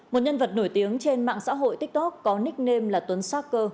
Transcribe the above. một nhân vật nổi tiếng trên mạng xã hội tiktok có nickname là tuấn sắc cơ